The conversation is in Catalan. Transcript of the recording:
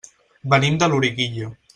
Venim de Loriguilla.